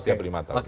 tiap lima tahun